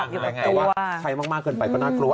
แต่ว่าใช้มากเกินไปก็น่ากลัว